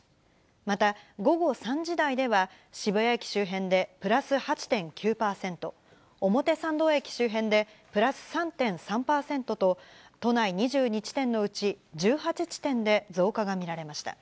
また午後３時台では、渋谷駅周辺でプラス８．９％、表参道駅周辺でプラス３．３％と、都内２２地点のうち、１８地点で増加が見られました。